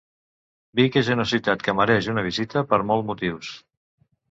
Vic és una ciutat que mereix una visita per molt motius.